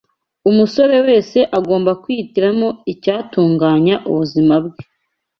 Umusore wese agomba kwihitiramo icyatunganya ubuzima bwe